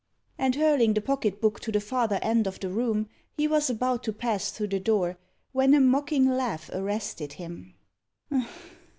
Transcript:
And, hurling the pocket book to the farther end of the room, he was about to pass through the door, when a mocking laugh arrested him.